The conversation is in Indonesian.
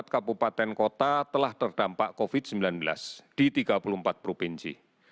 empat ratus dua puluh empat kabupaten kota telah terdampak covid sembilan belas di tiga puluh empat provinsi